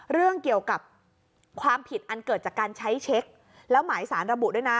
เรื่องเกี่ยวกับความผิดอันเกิดจากการใช้เช็คแล้วหมายสารระบุด้วยนะ